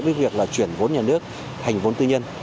với việc là chuyển vốn nhà nước thành vốn tư nhân